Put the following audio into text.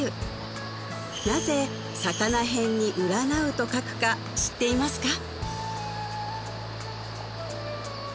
なぜ魚へんに占うと書くか知っていますか？